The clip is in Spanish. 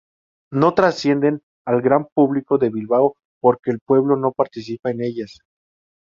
No trascienden al gran público de Bilbao porque el pueblo no participa en ellas.